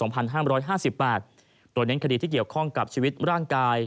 โดยเน้นคดีที่เกี่ยวข้องกับชีวิตร่างกาย